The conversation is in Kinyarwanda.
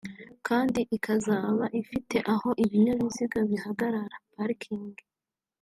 kandi ikazaba ifite aho ibinyabiziga bihagarara (parking)